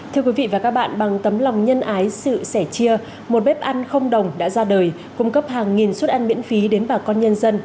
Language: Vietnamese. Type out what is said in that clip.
thưa quý vị và các bạn bằng tấm lòng nhân ái sự sẻ chia một bếp ăn không đồng đã ra đời cung cấp hàng nghìn suất ăn miễn phí đến bà con nhân dân